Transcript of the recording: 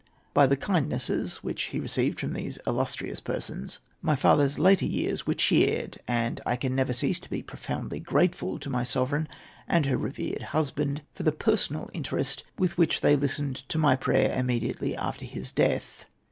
By the kindnesses which he received from these illustrious persons, my father's later years were cheered; and I can never cease to be profoundly grateful to my Sovereign, and her revered husband, for the personal interest with which they listened to my prayer immediately after his death.